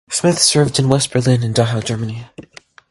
Smith served in West Berlin and Dachau, Germany.